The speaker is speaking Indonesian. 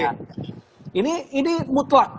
jadi ini mutlak